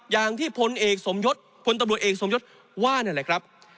อย่างที่พลตำรวจเอกสมยศว่านั่นแหละครับ